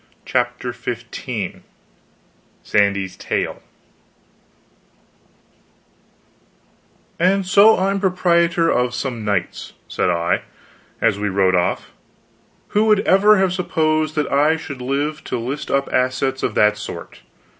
CHAPTER XV SANDY'S TALE "And so I'm proprietor of some knights," said I, as we rode off. "Who would ever have supposed that I should live to list up assets of that sort.